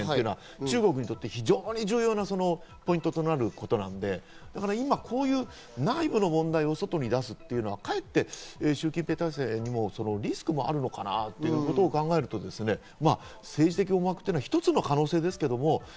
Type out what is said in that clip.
中国にとってポイントとなることなので、今こういう内部の問題を外に出すというのはかえってシュウ・キンペイ体制のリスクもあるのかなということを考えると、政治的思惑というのは一つの可能性ですけど。